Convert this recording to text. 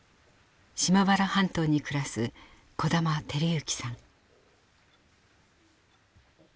島原半島に暮らす小玉輝幸さん。